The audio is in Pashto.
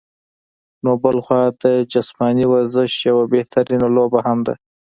نو بلخوا د جسماني ورزش يوه بهترينه لوبه هم ده